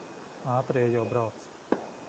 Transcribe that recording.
Ātrie jau brauc.